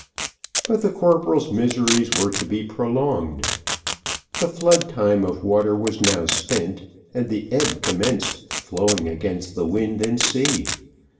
But the corporal's miseries were to be prolonged; the flood time of water was now spent, and the ebb commenced flowing against the wind and sea.